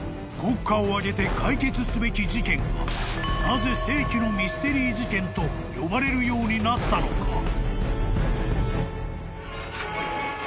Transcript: ［国家を挙げて解決すべき事件がなぜ世紀のミステリー事件と呼ばれるようになったのか？］